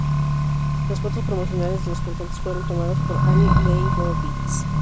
Las fotos promocionales de los cantantes fueron tomadas por Annie Leibovitz.